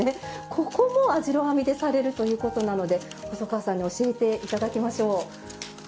ここも網代編みでされるということなので細川さんに教えて頂きましょう。